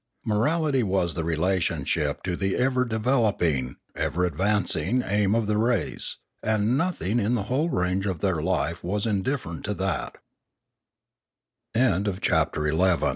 Morality was the relationship to the ever developing, ever advancing, aim of the race, and nothing in the whole range of their life was indifferent to that CHAPTER X